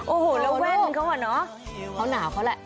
โอ้โหและแว่นเค้าเหรอเน๊ย